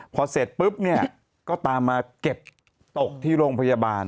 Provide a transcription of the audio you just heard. พอเสร็จปุ๊บเนี่ยก็ตามมาเก็บตกที่โรงพยาบาล